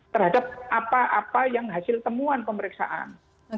terhadap apa apa yang hasil temuan pemeriksaan